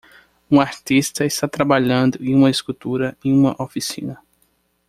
Um artista está trabalhando em uma escultura em uma oficina.